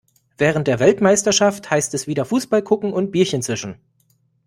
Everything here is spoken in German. Während der Weltmeisterschaft heißt es wieder Fußball gucken und Bierchen zischen.